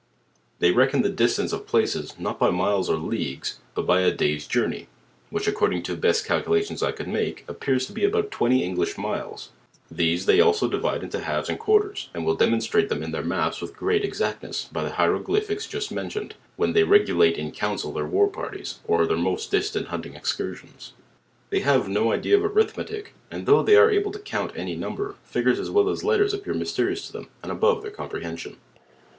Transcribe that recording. They reckon the distance of places, not by miles or leagues, but by a day's journey, which according to the best calcula tions I could make, appears to be abcut twenty English miles. These they also divide into halves and quarters, and will demonstrate them in 'their maps with great exactness, by the hieroglyphics just mentioned , when they regulate in council their war parties, or their most distant hunting ex cursions. They have no idea of Arithmetic; and though they are able to count any number, figures as well as letters appear mysterious to them, and above their, comprehension.